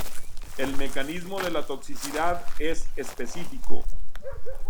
El mecanismo de la toxicidad es específico.